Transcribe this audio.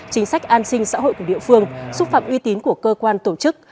chính sách an sinh xã hội của địa phương xúc phạm uy tín của cơ quan tổ chức